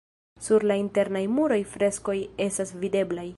Sur la internaj muroj freskoj estas videblaj.